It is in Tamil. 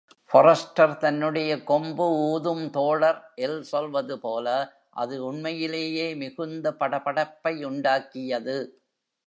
ஃபாரெஸ்டர் தன்னுடைய “கொம்பு ஊதும் தோழர்"ல் சொல்வதுபோல, “...அது உண்மையிலேயே மிகுந்த படபடப்பை உண்டாக்கியது".